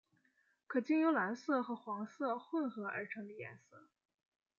可经由蓝色和黄色混和而成的颜色。